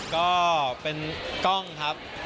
ก็เป็นกล้องครับ